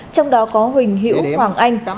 trong đó có huỳnh hữu hoàng anh